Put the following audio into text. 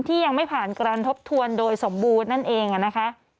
ยังไม่ผ่านการทบทวนโดยสมบูรณ์นั่นเองนะคะ